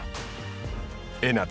江夏。